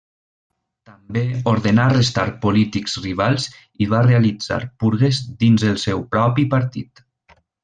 També ordenà arrestar polítics rivals i va realitzar purgues dins en el seu propi partit.